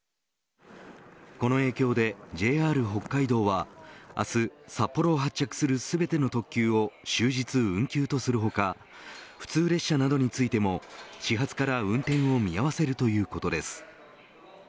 この影響でＪＲ北海道は明日札幌を発着する全ての特急を終日運休とする他普通列車などについても始発から運転を見合わせるということです。